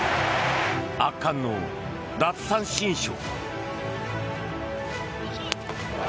圧巻の奪三振ショー。